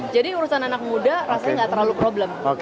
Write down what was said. jadi urusan anak muda rasanya nggak terlalu problem